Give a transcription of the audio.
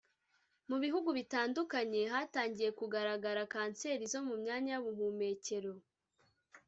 Mu bihugu bitandukanye hatangiye kugaragara kanseri zo mu myanya y’ubuhumekero